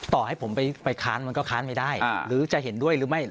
ต่อให้ผมไปค้านมันก็ค้านไม่ได้หรือจะเห็นด้วยหรือไม่